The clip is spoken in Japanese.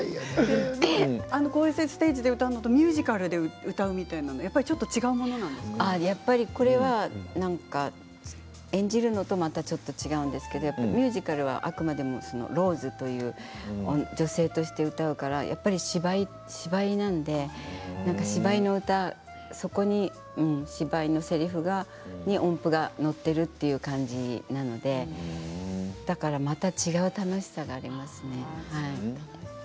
こういうステージで歌うのとミュージカルで歌うのはやっぱりこれは演じるのともちょっと違うんですけれど、ミュージカルはあくまでもローズという女性として歌うからやっぱり芝居なんで芝居の歌、そこに芝居のせりふせりふに音符が乗っている感じなのでまた違う楽しさがありますね。